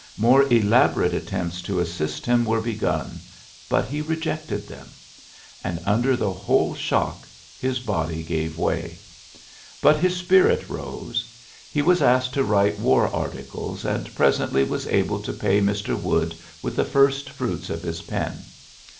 More elabo rate attempts to assist him were begun, but he rejected them. And under the whole shock his body gave way. But i library fconeop^^^^^^^^^^ 138 ULYSSES S. GRANT his spirit rose. He was asked to writ^ war articles, and presently was able to pay Mr. Wood with the first fruits of his pen.